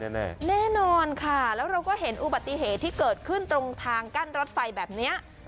แน่นอนค่ะแล้วเราก็เห็นอุบัติเหตุที่เกิดขึ้นตรงทางกั้นรถไฟแบบนี้